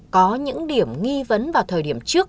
có những điểm nghi vấn vào thời điểm trước